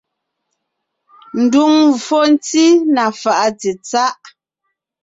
Ndùŋmvfò ntí (na fàʼa tsetsáʼ).